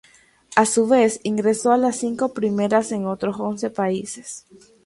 A su vez ingresó a las cinco primeras en otros once países.